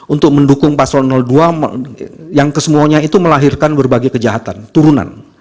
untuk mendukung paslon dua yang kesemuanya itu melahirkan berbagai kejahatan turunan